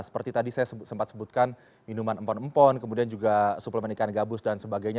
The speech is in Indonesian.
seperti tadi saya sempat sebutkan minuman empon empon kemudian juga suplemen ikan gabus dan sebagainya